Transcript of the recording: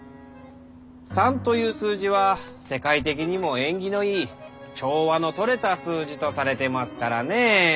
「三」という数字は世界的にも縁起のいい調和のとれた数字とされてますからねェー。